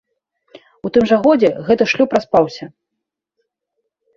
У тым жа годзе гэты шлюб распаўся.